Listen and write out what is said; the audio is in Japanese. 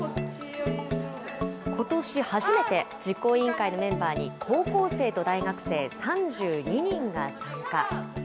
ことし初めて、実行委員会のメンバーに高校生と大学生３２人が参加。